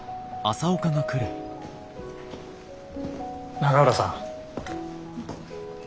永浦さん。